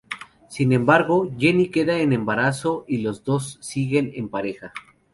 Sin embargo, Jenny queda en embarazo y los dos siguen en pareja.